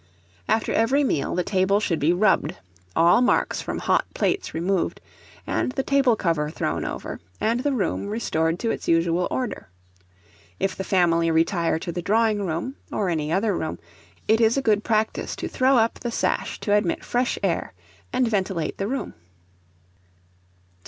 After every meal the table should be rubbed, all marks from hot plates removed, and the table cover thrown over, and the room restored to its usual order. If the family retire to the drawing room, or any other room, it is a good practice to throw up the sash to admit fresh air and ventilate the room. 2322.